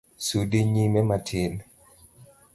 Sudi nyime matin.